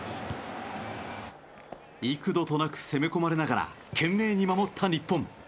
幾度となく攻め込まれながら懸命に守った日本。